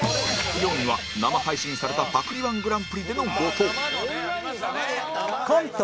４位は、生配信されたパクり‐１グランプリでの後藤コント